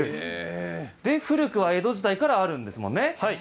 古くは江戸時代からあるんですもんね？